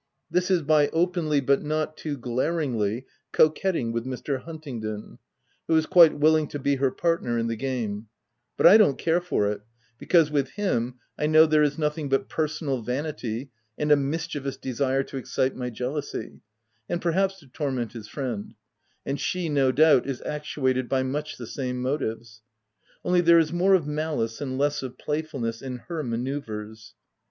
This is 126 THE TENANT by openly but not too glaringly coquetting with Mr. Huntingdon, who is quite willing to be her partner in the game ; but I don't care for it, because with him, I know there is nothing but personal vanity and a mischievous desire to excite my jealousy, and perhaps to torment his friend ; and she, no doubt, is actuated by much the same motives ; only there is more of malice and less of playfulness in her manoeuvres.